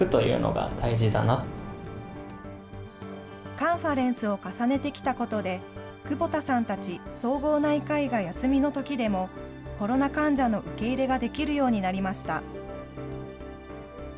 カンファレンスを重ねてきたことで、窪田さんたち総合内科医が休みのときでも、コロナ患者の受け入れができるようになりました。